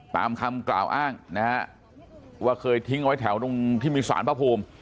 ตามคำกล่าวอ้างนะฮะว่าเคยทิ้งไว้แถวตรงที่มีสารพระภูมิ